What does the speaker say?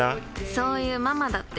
そういうママだって。